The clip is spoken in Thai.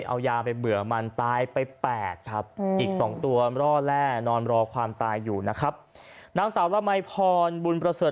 เอายาไปเบื่อมันตายไปแปลกครับอืออีกสองตัวมร่อแร่นอนรอความตายอยู่นะครับ